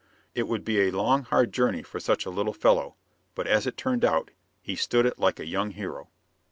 It would be a long, hard journey for such a little fellow, but as it turned out, he stood it like a young hero.